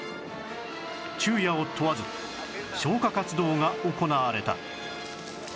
昼夜を問わず消火活動が行われた